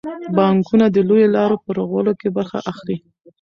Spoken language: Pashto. بانکونه د لویو لارو په رغولو کې برخه اخلي.